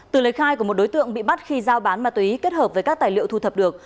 từ lời khai của một đối tượng bị bắt khi giao bán ma túy kết hợp với các tài liệu thu thập được